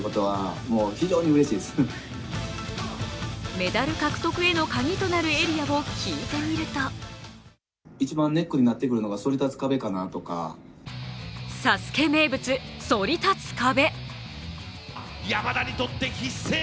メダル獲得へのカギとなるエリアを聞いてみると「ＳＡＳＵＫＥ」名物・そり立つ壁。